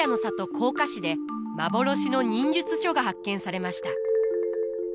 甲賀市で幻の忍術書が発見されました。